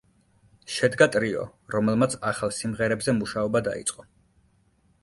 შედგა ტრიო, რომელმაც ახალ სიმღერებზე მუშაობა დაიწყო.